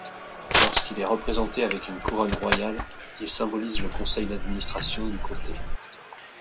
Lorsqu’il est représenté avec une couronne royale, il symbolise le Conseil d’Administration du comté.